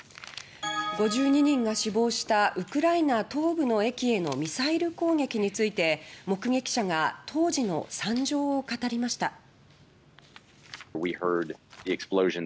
５２人が死亡したウクライナ東部の駅へのミサイル攻撃について目撃者が当時の惨状を語りました。